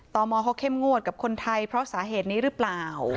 ตมเขาเข้มงวดกับคนไทยเพราะสาเหตุนี้หรือเปล่า